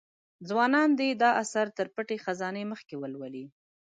ځوانان دي دا اثر تر پټې خزانې مخکې ولولي.